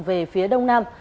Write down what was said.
về phía đông nam